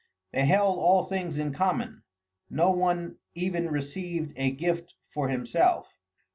They held all things in common; no one even received a gift for himself.